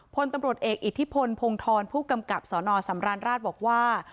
พลตำรวจเอกอิทธิพลพงธรผู้กำกับสนสำราญราชบอกว่า